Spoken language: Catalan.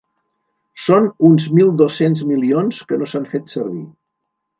Són uns mil dos-cents milions que no s’han fet servir.